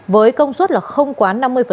với công suất không quá năm mươi